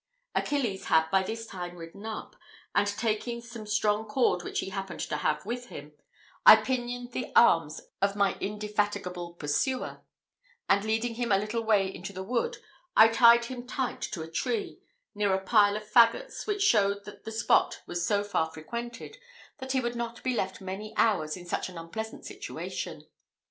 Achilles had by this time ridden up, and taking some strong cord which he happened to have with him, I pinioned the arms of my indefatigable pursuer; and, leading him a little way into the wood, I tied him tight to a tree, near a pile of faggots, which showed that the spot was so far frequented, that he would not be left many hours in such an unpleasant situation.